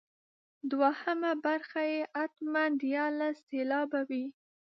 دوهمه برخه یې حتما دیارلس سېلابه وي.